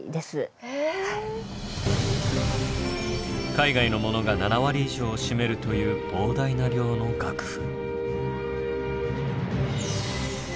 海外のものが７割以上を占めるという膨大な量の楽譜。